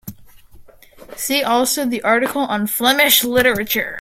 See also the article on Flemish literature.